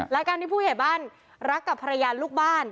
การที่ผู้ใหญ่บ้านรักกับภรรยาลูกบ้าน